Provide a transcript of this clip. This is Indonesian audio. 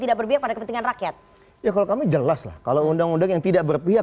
tidak berpihak pada kepentingan rakyat ya kalau kami jelas lah kalau undang undang yang tidak berpihak